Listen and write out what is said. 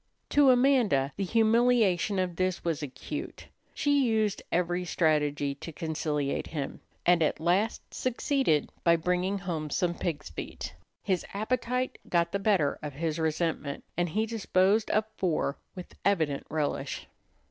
To Amanda the humiliation of this was acute. She used every strategy to conciliate him, and at last succeeded by bringing home some pig's feet. His appetite got the better of his resentment, and he disposed of four with evident relish.